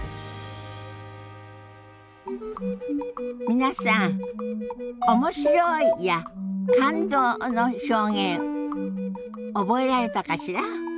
皆さん「面白い」や「感動」の表現覚えられたかしら。